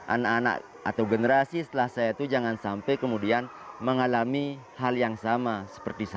anak anak atau generasi setelah saya itu jangan sampai kemudian mengalami hal yang sama seperti saya